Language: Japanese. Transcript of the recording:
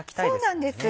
そうなんです。